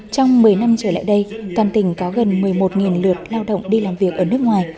trong một mươi năm trở lại đây toàn tỉnh có gần một mươi một lượt lao động đi làm việc ở nước ngoài